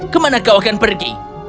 kemana kau akan pergi